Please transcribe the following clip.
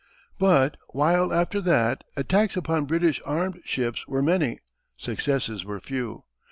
But while after that attacks upon British armed ships were many, successes were few.